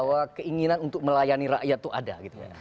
kekegaduhan untuk melayani rakyat itu ada gitu ya